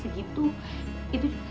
saya tidak hari ini